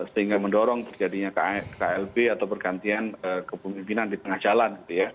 sehingga mendorong terjadinya klb atau pergantian kepemimpinan di tengah jalan